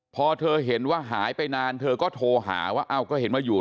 พอเธอเห็นว่าหายไปนานเธอก็โทรหาว่าอ้าวก็เห็นว่าอยู่